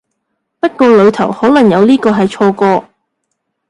不過裡頭可能有呢個係錯個